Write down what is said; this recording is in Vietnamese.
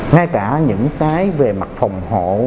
ngay cả những cái về mặt phòng hộ